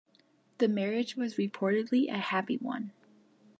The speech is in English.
The marriage was reportedly a happy one.